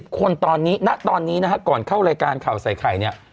คนตอนนี้ณตอนนี้นะฮะก่อนเข้ารายการข่าวใส่ไข่เนี่ย